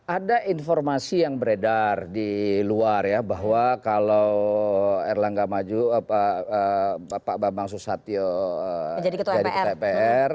ada informasi yang beredar di luar ya bahwa kalau erlangga maju pak bambang susatyo jadi ketua mpr